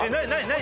何？